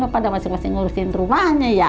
pada masing masing ngurusin rumahnya ya